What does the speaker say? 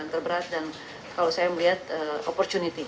dan terberat dan kalau saya melihat opportunity